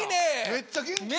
めっちゃ元気やな。